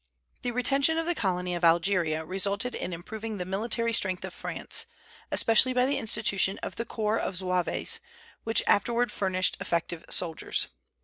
The retention of the Colony of Algeria resulted in improving the military strength of France, especially by the institution of the corps of Zouaves, which afterward furnished effective soldiers.